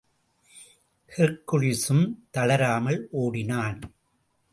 ஹெர்க்குலிஸும் தளராமல் ஓடினான்.